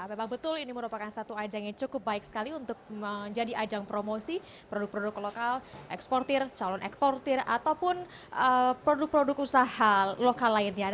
memang betul ini merupakan satu ajang yang cukup baik sekali untuk menjadi ajang promosi produk produk lokal eksportir calon eksportir ataupun produk produk usaha lokal lainnya